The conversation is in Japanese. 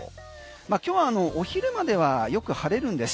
今日はお昼まではよく晴れるんです。